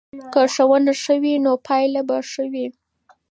که ښوونه ښه وي نو پایله به ښه وي.